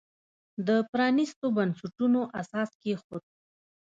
د پرانیستو بنسټونو اساس کېښود.